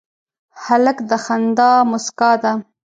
هلک د خندا موسکا ده.